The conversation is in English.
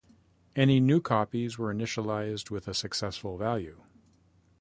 Any new copies were initialized with a successful value.